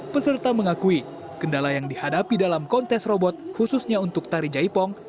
peserta mengakui kendala yang dihadapi dalam kontes robot khususnya untuk tari jaipong